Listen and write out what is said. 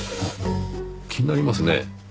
気になりますねぇ。